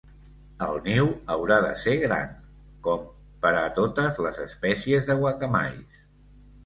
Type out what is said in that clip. El niu haurà de ser gran, com per a totes les espècies de guacamais.